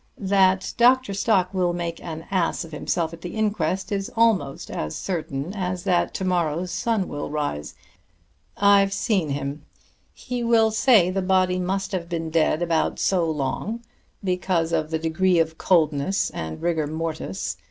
That Dr. Stock will make an ass of himself at the inquest is almost as certain as that to morrow's sun will rise. I've seen him. He will say the body must have been dead about so long, because of the degree of coldness and rigor mortis.